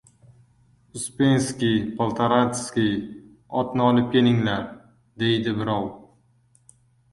— Uspenskiy, Poltoratskiy! Otni olib kelinglar! — deydi birov.